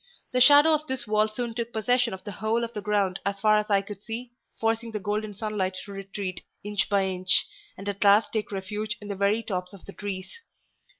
The shadow of this wall soon took possession of the whole of the ground as far as I could see, forcing the golden sunlight to retreat inch by inch, and at last take refuge in the very tops of the trees.